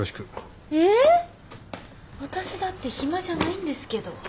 私だって暇じゃないんですけど。